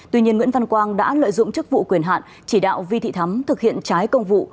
tuy nhiên nguyễn văn quang đã lợi dụng chức vụ quyền hạn chỉ đạo vi thị thắm thực hiện trái công vụ